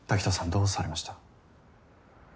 どうされました？